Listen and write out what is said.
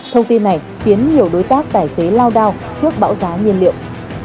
thông tin này khiến nhiều đối tác tài xế lao đao trước bão giá nhiên liệu